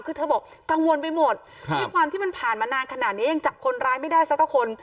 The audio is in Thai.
คือเธอบอกกังวลไปหมดด้วยความที่มันผ่านมานานขนาดนี้ยังจับคนร้ายไม่ได้สักคน